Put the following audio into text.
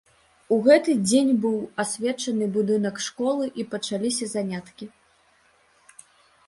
У гэты дзень быў асвечаны будынак школы і пачаліся заняткі.